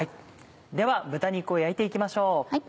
では豚肉を焼いて行きましょう。